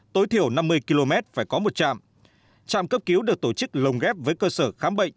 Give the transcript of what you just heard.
tối thiểu năm mươi km phải có một trạm trạm cấp cứu được tổ chức lồng ghép với cơ sở khám bệnh